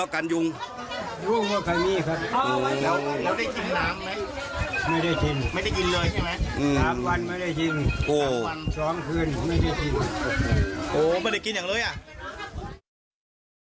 ก่อไฟด้วยเอาเอาก่อไฟด้วยก่อไฟนอนกลัวมีครับ